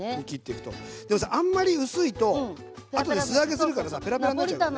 でもさあんまり薄いとあとで素揚げするからさペラペラになっちゃうよね。